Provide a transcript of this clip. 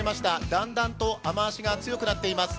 だんだんと雨足が強まっています。